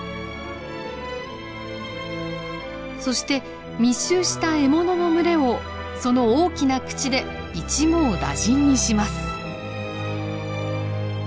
そして密集した獲物の群れをその大きな口で一網打尽にします。